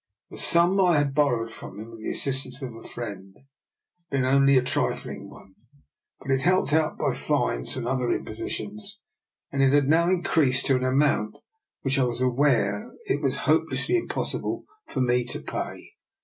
The sum I had borrowed from him, with the assistance of a friend, had been only a trifling one, but helped out by fines and other impositions it had now increased to an amount which I was aware it was hopelessly impossible for me to pay.